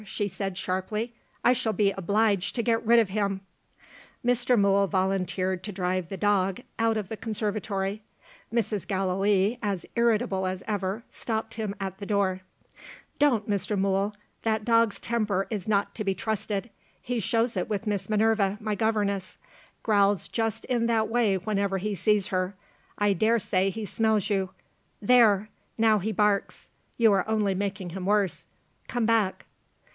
she said sharply; "I shall be obliged to get rid of him!" Mr. Mool volunteered to drive the dog out of the conservatory. Mrs. Gallilee, as irritable as ever, stopped him at the door. "Don't, Mr. Mool! That dog's temper is not to be trusted. He shows it with Miss Minerva, my governess growls just in that way whenever he sees her. I dare say he smells you. There! Now he barks! You are only making him worse. Come back!"